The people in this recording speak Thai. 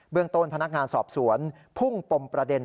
เรื่องต้นพนักงานสอบสวนพุ่งปมประเด็น